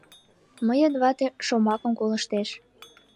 Мыйын вате шомакым колыштеш.